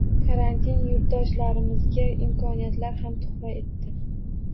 Karantin yurtdoshlarimizga imkoniyatlar ham tuhfa etdi